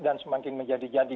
dan semakin menjadi jadi